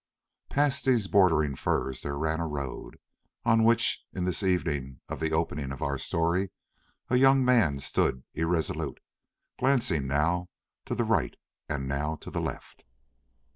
Past these bordering firs there ran a road, on which, in this evening of the opening of our story, a young man stood irresolute, glancing now to the right and now to the left.